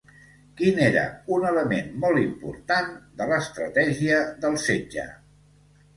Quin era un element molt important de l'estratègia del setge?